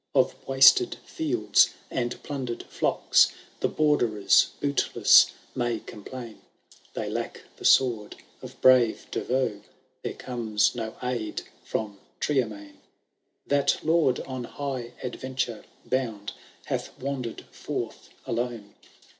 Of wasted fields and plundered flocks The Borderers bootless may complain ; They lack the sword of breye de Vauz, There comes no aid from Tiiexmain* That lord, on high adyenture bound. Hath wandered forth alone.